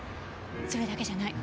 それだけじゃない。